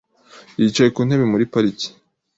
Yicaye ku ntebe muri parike .